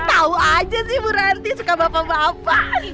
tahu aja sih bu ranti suka bapak bapak